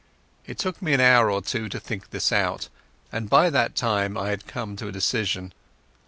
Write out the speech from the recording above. It took me an hour or two to think this out, and by that time I had come to a decision.